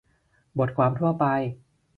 - "บทความทั่วไป"